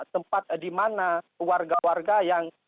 tempat di mana warga warga yang